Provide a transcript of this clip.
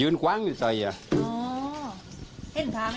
อ๋อเช่นต่างไม่ดีแล้ว